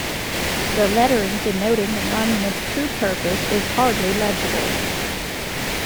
The lettering denoting the monument's true purpose is hardly legible.